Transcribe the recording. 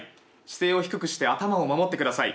姿勢を低くして頭を守ってください。